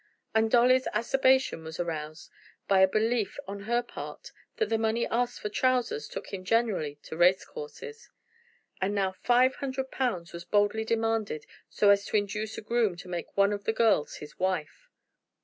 And Dolly's acerbation was aroused by a belief on her part that the money asked for trousers took him generally to race courses. And now five hundred pounds was boldly demanded so as to induce a groom to make one of the girls his wife!